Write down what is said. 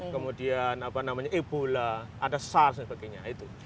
kemudian apa namanya ebola ada sars dan sebagainya